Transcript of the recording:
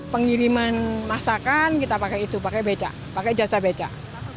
pengiriman masakan kita pakai itu pakai beca pakai jasa becak